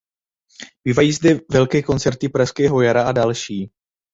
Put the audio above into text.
Bývají zde velké koncerty Pražského jara a další.